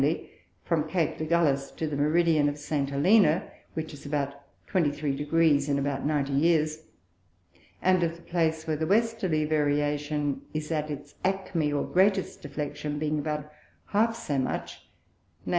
_ from Cape d' Agulhas to the Meridian of St. Helena (which is about 23 degr. in about ninety Years) and of the place where the Westerly Variation is in its ἀκμὴ or greatest Deflection, being about half so much, _viz.